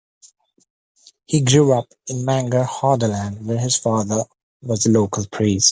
He grew up in Manger, Hordaland, where his father was the local priest.